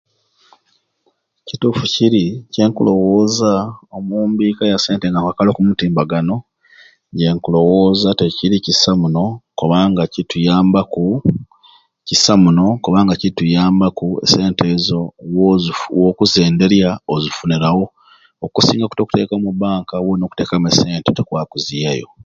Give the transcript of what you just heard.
Ekitufu kiri kyenkulowoza omu mbiika ya sente nga nkwakala oku mutimbagano nje nkulowooza tekiri kisai muno kubanga kituyambaku kisai muno kubanga kituyambaku sente ezo woku wokuzendyerya ozifunirawo okusinga te okuziteeka omu bank woyina okutekamu esente okwaba okuziyayo